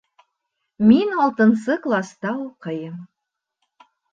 Мин алтынсы класта уҡыйым.